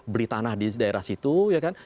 beli tanah di daerah situ ya kan